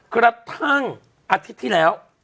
กระทั่งอาทิตย์ที่แล้ว